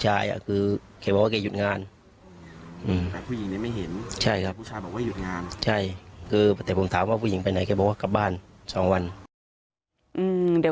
ก็ต้องรอความคืบหน้าจากทางตำรวจนะคะเพราะว่าตอนนี้ในก้าวแฟนหนุ่มของผู้เสียชีวิตยังหายตัวไปอยู่